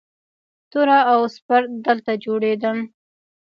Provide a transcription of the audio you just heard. توره او سپر دلته جوړیدل